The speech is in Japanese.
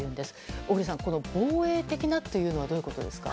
小栗さん、防衛的なというのはどういうことですか？